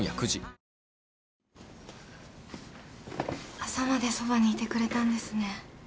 朝までそばにいてくれたんですね。